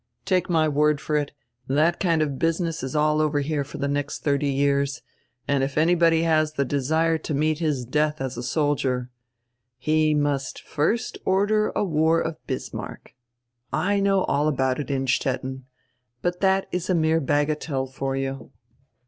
Take my word for it, that kind of business is all over here for the next thirty years, and if anybody has the desire to meet his death as a soldier —" "He must first order a war of Bismarck. I know all about it, Innstetten. But that is a mere bagatelle for you.